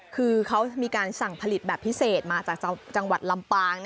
คือเขามีการสั่งผลิตแบบพิเศษมาจากจังหวัดลำปาง